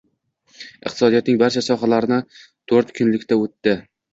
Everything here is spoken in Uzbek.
Iqtisodiyotning barcha sohalarini to‘rt kunlikka o‘tdi.